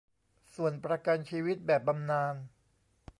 ส่วนประกันชีวิตแบบบำนาญ